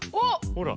ほら！